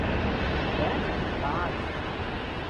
দেখ, বাজ।